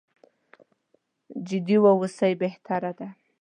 جدي واوسو بهتره ده.